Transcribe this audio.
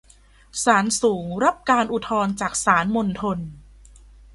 ศาลสูงรับการอุทธรณ์จากศาลมณฑล